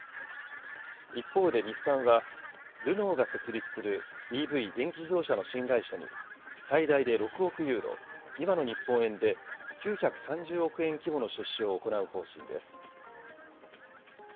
一方で日産は、ルノーが設立するＥＶ・電気自動車の新会社に、最大で６億ユーロ、今の日本円で９３０億円規模の出資を行う方針です。